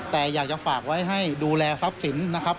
แต่อยากจะฝากไว้ให้ดูแลทรัพย์สินนะครับ